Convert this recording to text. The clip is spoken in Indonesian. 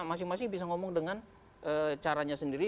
masing masing bisa ngomong dengan caranya sendiri